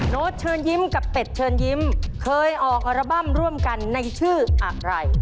โน๊ตเชิญยิ้มกับเป็ดเชิญยิ้มเคยออกอัลบั้มร่วมกันในชื่ออะไร